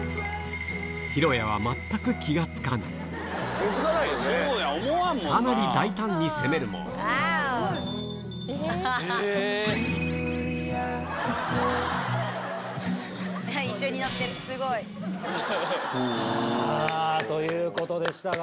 裕哉はかなり大胆に攻めるもということでしたが。